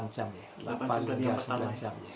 delapan jam dan sembilan jam